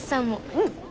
うん！